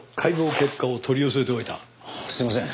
すいません。